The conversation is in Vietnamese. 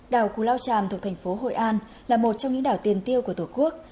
đảo cù lao tràm thuộc thành phố hội an là một trong những đảo tiền tiêu của tổ quốc